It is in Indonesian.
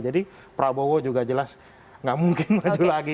jadi prabowo juga jelas tidak mungkin maju lagi